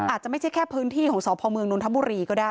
อาจจะไม่ใช่แค่พื้นที่ของสพเมืองนนทบุรีก็ได้